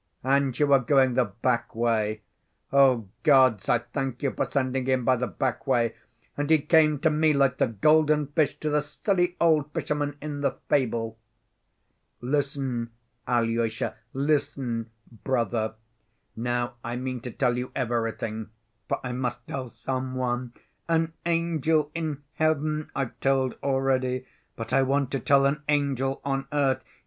"And you were going the back‐way! Oh, gods, I thank you for sending him by the back‐way, and he came to me like the golden fish to the silly old fishermen in the fable! Listen, Alyosha, listen, brother! Now I mean to tell you everything, for I must tell some one. An angel in heaven I've told already; but I want to tell an angel on earth.